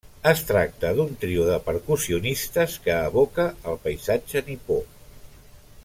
Es tracta d'un trio de percussionistes que evoca el paisatge nipó.